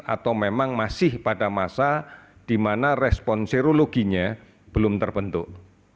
atau memang masih pada masa di mana respon serologinya belum terbentuk